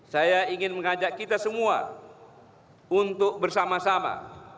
saya ingin mengajak kita semua untuk bersama sama